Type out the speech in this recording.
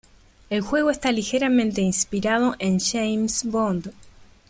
El juego está ligeramente inspirado en James Bond.